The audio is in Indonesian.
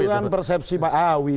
itu kan persepsi pak awi